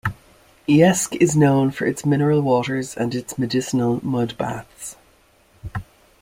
Yeysk is known for its mineral waters and its medicinal mud baths.